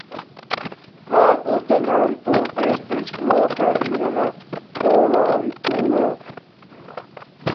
Flagotenanto estis loka juna volontulo.